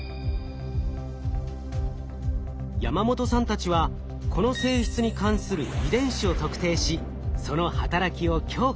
山本さんたちはこの性質に関する遺伝子を特定しその働きを強化。